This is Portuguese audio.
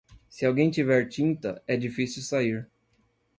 Se alguém tiver tinta, é difícil sair.